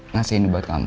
ngasih ini buat kamu